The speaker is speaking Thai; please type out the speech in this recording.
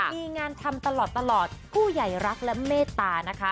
มีงานทำตลอดผู้ใหญ่รักและเมตตานะคะ